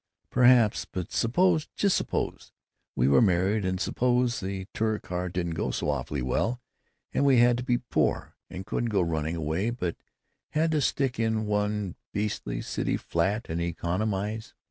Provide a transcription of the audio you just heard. "Perhaps, but suppose, just suppose we were married, and suppose the Touricar didn't go so awfully well, and we had to be poor, and couldn't go running away, but had to stick in one beastly city flat and economize!